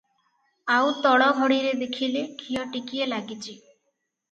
ଆଉତଳ ଘଡ଼ିରେ ଦେଖିଲେ ଘିଅ ଟିକିଏ ଲାଗିଚି ।